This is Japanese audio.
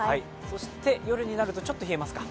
そして夜になるとちょっと冷えますか。